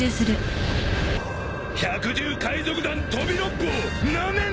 百獣海賊団飛び六胞なめんな！